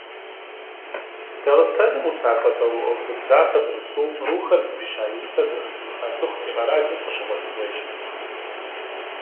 Дагъыстэным усакӀуэ цӀэрыӀуэ Гамзатов Расул «Кърухэр» зыфӀища и усэр зэхэзымыха цӀыху ди къэралым къыщыгъуэтыгъуейщ.